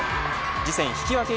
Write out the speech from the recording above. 次戦引き分け